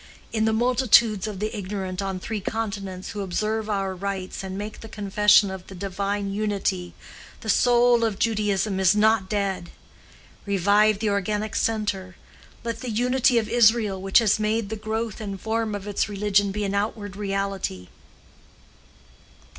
In the multitudes of the ignorant on three continents who observe our rites and make the confession of the divine Unity, the soul of Judaism is not dead. Revive the organic centre: let the unity of Israel which has made the growth and form of its religion be an outward reality.